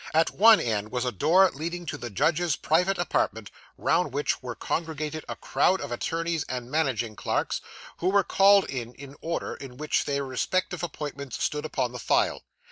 At one end, was a door leading to the judge's private apartment, round which were congregated a crowd of attorneys and managing clerks, who were called in, in the order in which their respective appointments stood upon the file.